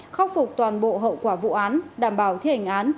khắc phục toàn bộ hậu quả vụ án đảm bảo thi hành án